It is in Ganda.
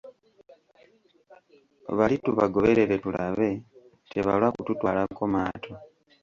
Bali tubagoberere tulabe, tebalwa kututwalako maato.